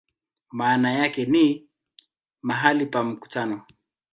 Maana yake ni "mahali pa mkutano".